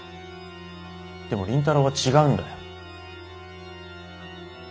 でも倫太郎は違うんだよ。